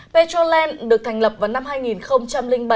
petrolen được thành lập vào năm hai nghìn bảy